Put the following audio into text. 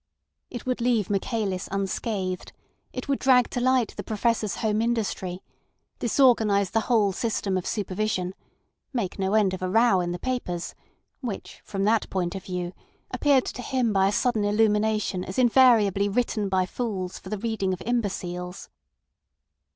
It would leave Michaelis unscathed; it would drag to light the Professor's home industry; disorganise the whole system of supervision; make no end of a row in the papers, which, from that point of view, appeared to him by a sudden illumination as invariably written by fools for the reading of imbeciles.